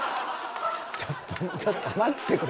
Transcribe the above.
ちょっとちょっと待ってくれ。